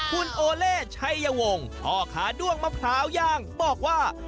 คุณโอเล่ชัยวงศ์พ่อขาด้วงมะพร้าวย่างบอกว่า